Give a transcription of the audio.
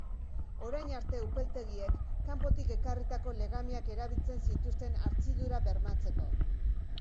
Orain arte, upeltegiek kanpotik ekarritako legamiak erabiltzen zituzten hartzidura bermatzeko.